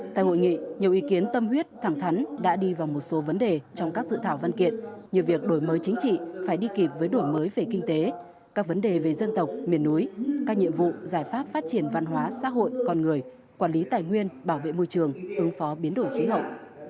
tại hội nghị nhiều ý kiến tâm huyết thẳng thắn đã đi vào một số vấn đề trong các dự thảo văn kiện như việc đổi mới chính trị phải đi kịp với đổi mới về kinh tế các vấn đề về dân tộc miền núi các nhiệm vụ giải pháp phát triển văn hóa xã hội con người quản lý tài nguyên bảo vệ môi trường ứng phó biến đổi khí hậu